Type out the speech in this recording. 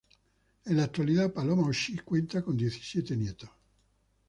En la actualidad, Paloma O'Shea cuenta con diecisiete nietos.